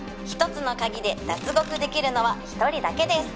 「１つの鍵で脱獄できるのは１人だけです」